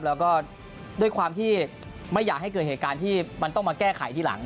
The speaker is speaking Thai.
แล้วก็ด้วยความที่ไม่อยากให้เกิดเหตุการณ์ที่มันต้องมาแก้ไขทีหลัง